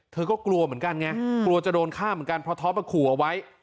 เธอก็กลัวเหมือนกันไงกลัวจะโดนฆ่าเหมือนกันเพราะท็อปมาขู่เอาไว้